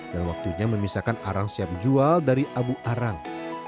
dan waktunya memisahkan arang siap jual dari abu arang